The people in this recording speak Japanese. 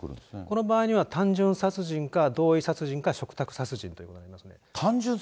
この場合には単純殺人か、同意殺人か嘱託殺人ってことになりますね。